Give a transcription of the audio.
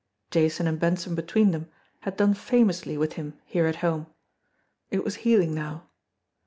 Jason and Benson between them had done famously with him here at home. It was healing now.